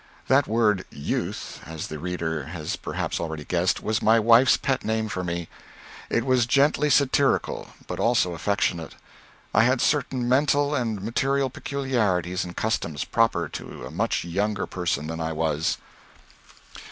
That word "Youth," as the reader has perhaps already guessed, was my wife's pet name for me. It was gently satirical, but also affectionate. I had certain mental and material peculiarities and customs proper to a much younger person than I was.